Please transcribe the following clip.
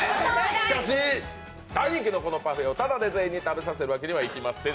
しかし、大人気のこのパフェをただで全員に食べさせるわけにはいきません。